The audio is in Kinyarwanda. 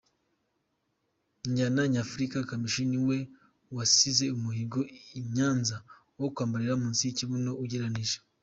njyana nyafurika Kamichi niwe wasize umuhigo i Nyanza wo kwambarira munsi yikibuno ugereranije.